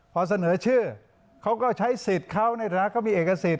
พอเสนอชื่อเขาก็ใช้สิทธิ์เขาในฐานะเขามีเอกสิทธิ